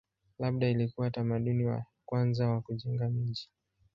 Labda ilikuwa utamaduni wa kwanza wa kujenga miji.